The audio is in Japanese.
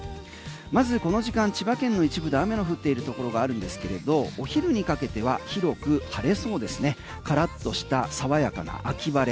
まずこの時間、千葉県の一部で雨の降っているところがあるんですけれどお昼にかけては広く晴れそうですからっとした爽やかな秋晴れ。